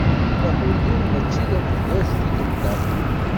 Amulli-w mačči d ameggaz tikelt-a.